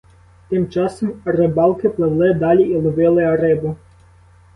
Тим часом рибалки пливли далі і ловили рибу.